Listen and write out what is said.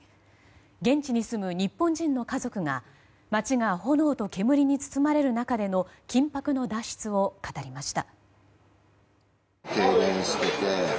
現地に住む日本人の家族が街が炎と煙に包まれる中での緊迫の脱出を語りました。